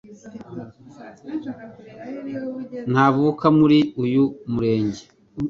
ntavuka muri uyu murenge